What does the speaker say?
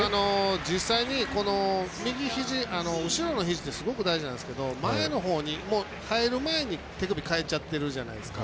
実際に右ひじ、後ろのひじってすごく大事なんですけど入る前に手首が返っちゃってるじゃないですか。